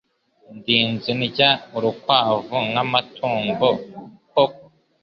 Ndinze ndya urukwavu nkamatungo koko